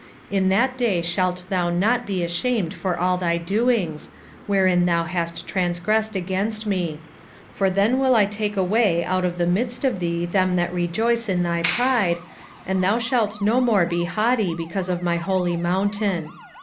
3:11 In that day shalt thou not be ashamed for all thy doings, wherein thou hast transgressed against me: for then I will take away out of the midst of thee them that rejoice in thy pride, and thou shalt no more be haughty because of my holy mountain.